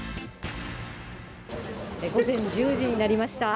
午前１０時になりました。